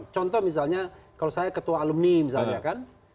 contoh misalnya kalau saya ketua alumni misalnya kan